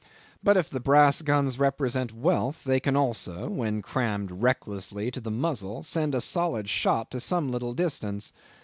But if the brass guns represent wealth, they can also, when crammed recklessly to the muzzle, send a solid shot to some little distance.